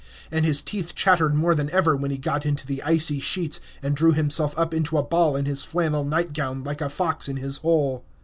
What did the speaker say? And his teeth chattered more than ever when he got into the icy sheets, and drew himself up into a ball in his flannel nightgown, like a fox in his hole.